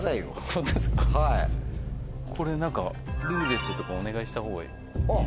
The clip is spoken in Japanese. これ何か「ルーレット」とかお願いした方がいいですかね。